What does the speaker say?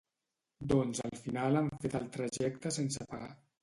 Doncs al final han fet el trajecte sense pagar